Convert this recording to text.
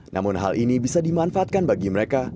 namun hal ini bisa dimanfaatkan bagi mereka